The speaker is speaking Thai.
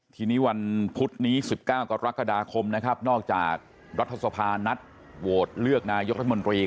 ทีนี้วันพุธนี้๑๙กรกฎาคมนะครับนอกจากรัฐสภานัดโหวตเลือกนายกรัฐมนตรี